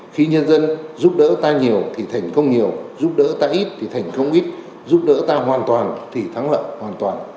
khi nhân dân giúp đỡ ta nhiều thì thành công nhiều giúp đỡ ta ít thì thành công ít giúp đỡ ta hoàn toàn thì thắng lợi hoàn toàn